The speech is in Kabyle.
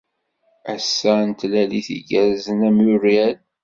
Ass n tlalit igerrzen a Muirel!